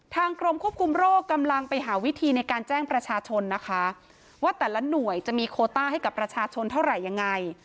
กรมควบคุมโรคกำลังไปหาวิธีในการแจ้งประชาชนนะคะว่าแต่ละหน่วยจะมีโคต้าให้กับประชาชนเท่าไหร่ยังไง